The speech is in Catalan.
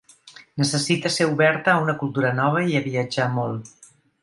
Necessites ser oberta a una cultura nova i a viatjar molt.